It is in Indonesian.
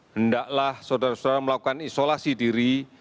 hendaklah saudara saudara melakukan isolasi diri